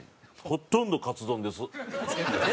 ほとんどカツ丼です。